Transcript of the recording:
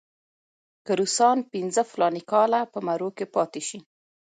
که روسان پنځه فلاني کاله په مرو کې پاتې شي.